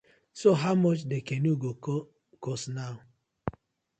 So how much the canoe go com cost naw?